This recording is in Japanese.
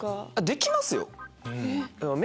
できますよ。